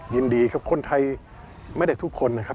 ยินดีครับคนไทยไม่ได้ทุกคนนะครับ